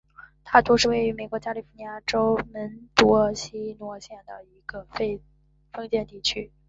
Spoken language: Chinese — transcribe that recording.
塔图是位于美国加利福尼亚州门多西诺县的一个非建制地区。